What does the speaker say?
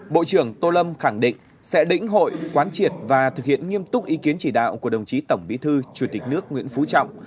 bộ trưởng tô lâm khẳng định sẽ đĩnh hội quán triệt và thực hiện nghiêm túc ý kiến chỉ đạo của đồng chí tổng bí thư chủ tịch nước nguyễn phú trọng